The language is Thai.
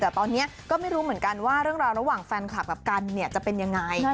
แต่ตอนนี้ก็ไม่รู้เหมือนกันว่าเรื่องราวระหว่างแฟนคลับกับกันเนี่ยจะเป็นยังไง